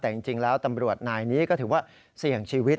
แต่จริงแล้วตำรวจนายนี้ก็ถือว่าเสี่ยงชีวิต